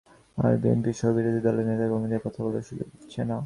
আর বিএনপিসহ বিরোধী দলের নেতা কর্মীদের কথা বলার সুযোগ দিচ্ছে না।